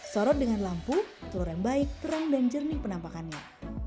sorot dengan lampu telur yang baik terang dan jernih penampakannya